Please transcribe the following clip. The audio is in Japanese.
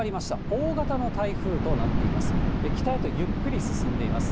大型の台風となっています。